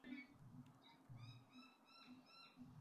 হ্যাঁ - স্ত্রী থাকলে এতসব করতে পারতাম না।